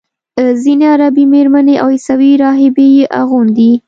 ځینې عربي میرمنې او عیسوي راهبې یې اغوندي.